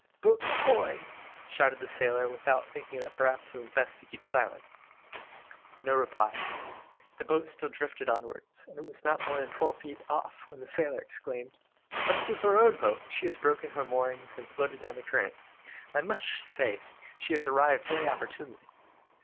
"Boat ahoy!" shouted the sailor, without thinking that perhaps it would be best to keep silence. No reply. The boat still drifted onwards, and it was not more than twelve feet off, when the sailor exclaimed "But it is our own boat! she has broken her moorings, and floated down the current. I must say she has arrived very opportunely."